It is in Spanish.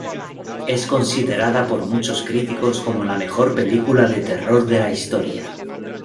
Es considerada por muchos críticos como la mejor película de terror de la historia.